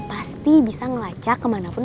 pasti bisa ngelacak kemanapun